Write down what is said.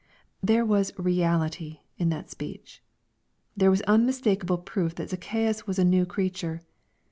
There" was reality in that speech. There was unmistakeable proof that Zacchaaus was a new V creature.